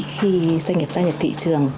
khi doanh nghiệp gia nhập thị trường